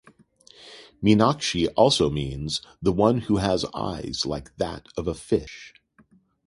Meenakshi also means "the one who has eyes like that of a fish".